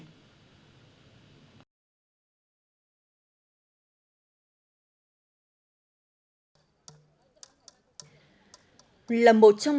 tỉnh tuyên quang